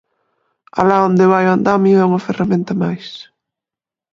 Alá onde vai o andamio é unha ferramenta máis.